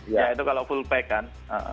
ya itu kalau full pack kan